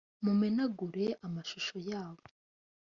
mumenagure amashusho yabo,